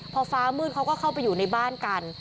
พอฟ้ามืดเขาก็เข้าไปอยู่ในบ้านกัน